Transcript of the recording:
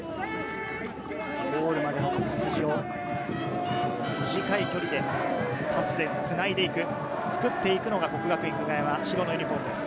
ゴールまでの道筋を短い距離で、パスでつないでいく、作っていくのが國學院久我山、白のユニホームです。